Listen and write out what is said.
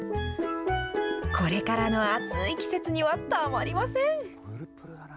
これからの暑い季節にはたまりません。